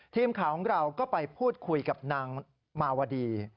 ทีมข่าวของเราก็ไปพูดคุยกับนางมาวดี